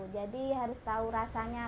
jadi harus tahu rasanya